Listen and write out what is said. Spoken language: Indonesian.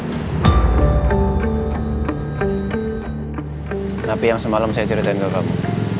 tapi yang semalam saya ceritain ke kamu